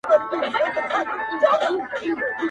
پلار له پوليسو سره ناست دی او مات ښکاري